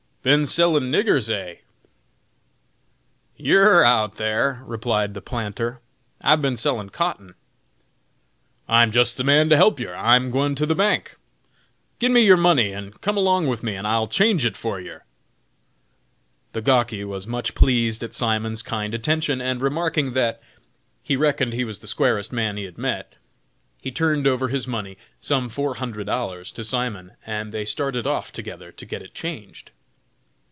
"Bin sellin' niggers, eh?" "You're out thar," replied the planter. "I've bin sellin' cotton." "I'm jist the man to help yer! I'm gwine to my bank. Gin me yer money, and come along with me and I'll change it for yer!" The gawky was much pleased at Simon's kind attention, and remarking that "he reckoned he was the squarest man he had met," he turned over his money some four hundred dollars to Simon, and they started off together to get it changed.